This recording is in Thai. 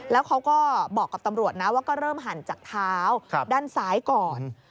แล้วเขาก็บอกกับตำรวจนะว่าก็เริ่มหั่นจากเท้าด้านซ้ายก่อน